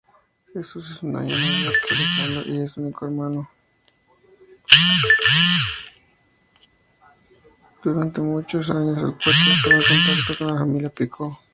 Durante muchos años el poeta estuvo en contacto con la familia Picó.